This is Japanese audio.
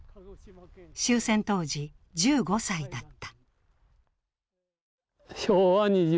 終戦当時１５歳だった。